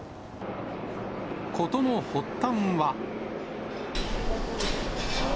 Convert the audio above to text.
事の発端は。